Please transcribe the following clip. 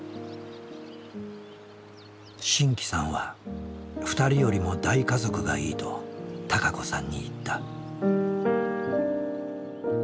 真気さんは「２人よりも大家族がいい」と孝子さんに言った。